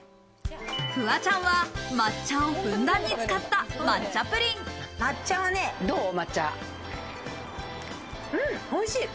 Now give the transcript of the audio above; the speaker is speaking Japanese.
フワちゃんは抹茶をふんだんに使った「抹茶ぷりん」。